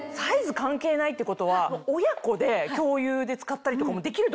関係ないってことは親子で共有で使ったりとかもできるってことですよね。